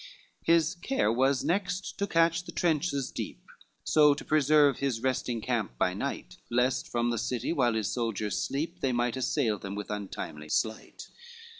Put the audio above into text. LXVI His care was next to cast the trenches deep, So to preserve his resting camp by night, Lest from the city while his soldiers sleep They might assail them with untimely flight.